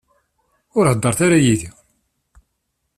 Ur heddṛet ara yid-i.